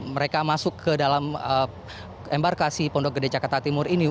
mereka masuk ke dalam embarkasi pondok gede jakarta timur ini